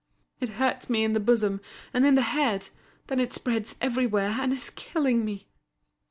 It hurts me in the bosom, and in the head; then it spreads everywhere, and is killing me."